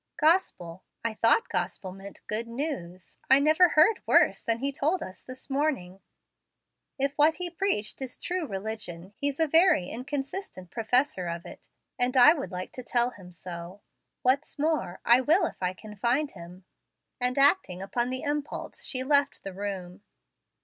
"Gospel! I thought 'gospel' meant 'good news.' I never heard worse than he told us this morning. If what he preached is true religion, he's a very inconsistent professor of it, and I would like to tell him so. "What's more, I will if I can find him"; and acting upon the impulse she left the room.